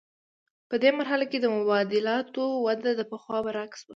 په دې مرحله کې د مبادلاتو وده د پخوا برعکس وه